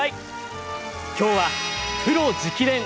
今日は「プロ直伝！」